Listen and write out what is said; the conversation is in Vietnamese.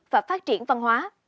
và phát triển văn hóa